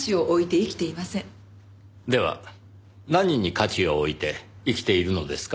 では何に価値を置いて生きているのですか？